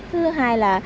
thứ hai là